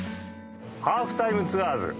『ハーフタイムツアーズ』。